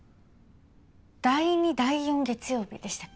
第２第４月曜日でしたっけ？